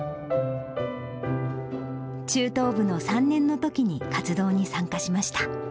中等部の３年のときに活動に参加しました。